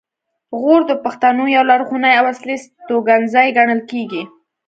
غور د پښتنو یو لرغونی او اصلي استوګنځی ګڼل کیږي